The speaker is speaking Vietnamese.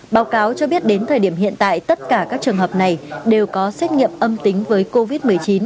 báo cáo cho biết đến thời điểm hiện tại tất cả các trường hợp này đều có xét nghiệm âm tính với covid một mươi chín